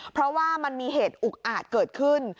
เพราะว่ามันมีเหตุอุกอาจเกิดขึ้น